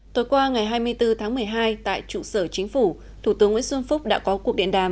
tối qua ngày hai mươi bốn tháng một mươi hai tại trụ sở chính phủ thủ tướng nguyễn xuân phúc đã có cuộc điện đàm